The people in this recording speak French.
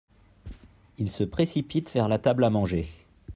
Il se précipite vers la table à manger.